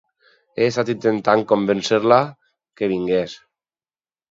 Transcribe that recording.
He estat intentant convèncer-la que vingués.